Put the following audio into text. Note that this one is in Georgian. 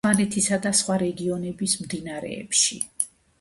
სვანეთისა და სხვა რეგიონების მდინარეებში.